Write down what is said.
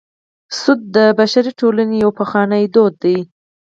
سود د بشري ټولنې یو پخوانی دود دی